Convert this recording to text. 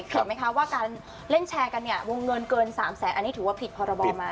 เพราะว่าการเล่นแชร์กันเนี่ยวงเงินเกิน๓แสนอันนี้ถือว่าผิดภาระบอมไหม